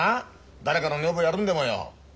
誰かの女房やるんでもよ。